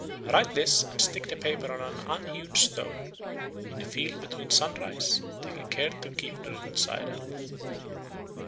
Write this, and stick the paper on an unhewn stone in the field before sunrise, taking care to keep the written side up."